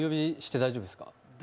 大丈夫です。